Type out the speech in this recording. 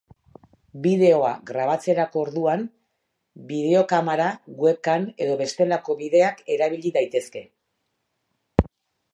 Bideoa grabatzerako orduan, bideokamera, web-cam edo bestelako bideak erabil daitezke.